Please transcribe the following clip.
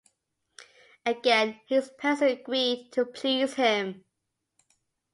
Again, his parents agreed, to please him.